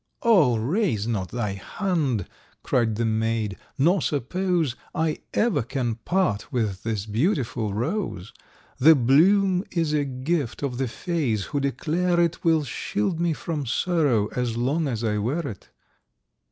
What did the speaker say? "O raise not thy hand," cried the maid, "nor suppose I ever can part with this beautiful Rose; The bloom is a gift of the fays, who declare it Will shield me from sorrow as long as I wear it.